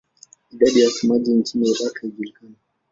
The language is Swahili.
Idadi ya wasemaji nchini Iraq haijulikani.